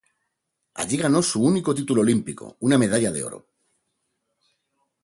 Allí ganó su único título Olímpico, una medalla de oro.